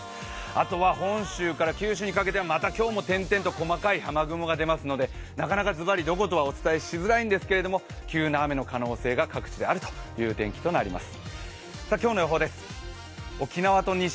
あとは本州から九州にかけてまた今日も点々と細かい雲が出やすいですのでなかなかズバリどことはお伝えしづらいんですけど、急な雨の可能性が各地であるということになります。